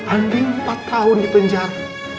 andi empat tahun di penjara